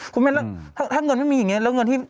คุณแม่แล้วถ้าเงินไม่มีอย่างเนี่ย